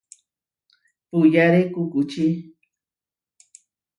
Puyáre kukučí.